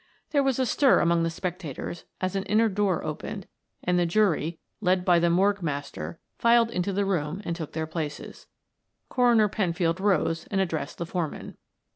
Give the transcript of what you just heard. There was a stir among the spectators as an inner door opened and the jury, led by the morgue master filed into the room and took their places. Coroner Penfield rose and addressed the foreman.